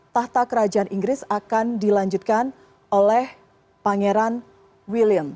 tahta kerajaan inggris akan dilanjutkan oleh pangeran william